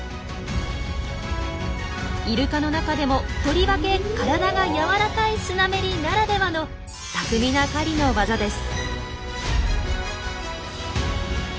イルカの中でもとりわけ体がやわらかいスナメリならではの巧みな狩りの技です。